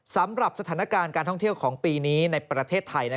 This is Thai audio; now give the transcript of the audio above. สำหรับสถานการณ์การท่องเที่ยวของปีนี้ในประเทศไทย